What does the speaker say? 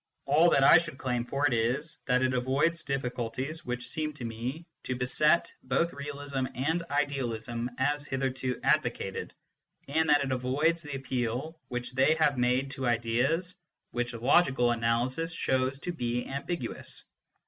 All that I should claim for it is, that it avoids difficulties which seem to me to beset both realism and idealism as hitherto advocated, and that it avoids the appeal which they have made to ideas which logical analysis shows to be ambiguous.